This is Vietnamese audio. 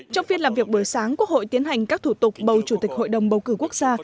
trong phiên làm việc buổi sáng quốc hội tiến hành các thủ tục bầu chủ tịch hội đồng bầu cử quốc gia